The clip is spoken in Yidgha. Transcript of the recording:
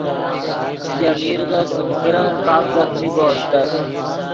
ژے میرغے سیم کرن پاپ ځخمیکو استت